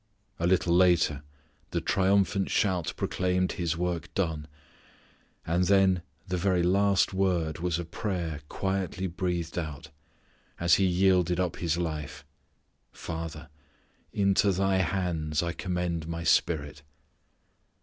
A little later the triumphant shout proclaimed His work done, and then the very last word was a prayer quietly breathed out, as He yielded up His life, "Father, into Thy hands I commend My spirit."